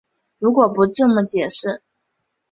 如果不这么解释